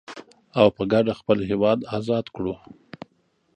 او په کډه خپل هيواد ازاد کړو.